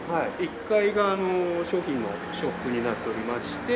１階が商品のショップになっておりまして。